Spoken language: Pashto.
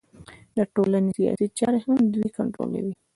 د ټولنې سیاسي چارې هم دوی کنټرولوي